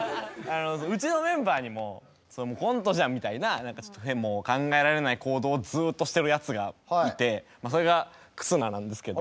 うちのメンバーにも「それもうコントじゃん」みたいな何かちょっと考えられない行動をずっとしてるやつがいてそれが忽那なんですけど。